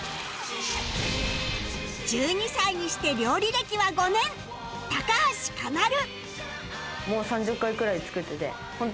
１２歳にして料理歴は５年高橋奏琉